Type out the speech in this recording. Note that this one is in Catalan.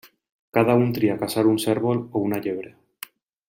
Cada un tria caçar un cérvol o una llebre.